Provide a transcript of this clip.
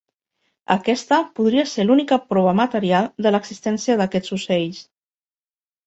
Aquesta podria ser l'única prova material de l'existència d'aquests ocells.